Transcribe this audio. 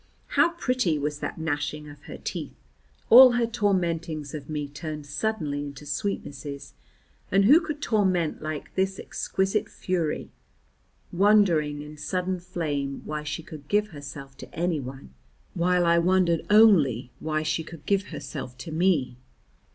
How pretty was that gnashing of her teeth! All her tormentings of me turned suddenly into sweetnesses, and who could torment like this exquisite fury, wondering in sudden flame why she could give herself to anyone, while I wondered only why she could give herself to me.